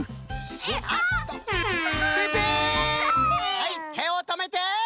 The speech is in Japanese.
はいてをとめて！